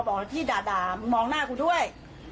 บอกที่ด่ามองหน้ากูด้วย